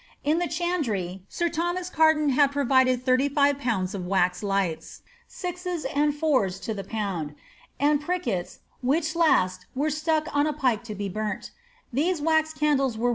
In the chetidrj', air Thoraas Garden had provided ihirly live pounds of WkX lights, aiiceg and fours to ilie pound, and prickets, which last were iiurk on a sjiike to be burnt; ihese wax candles were 1«.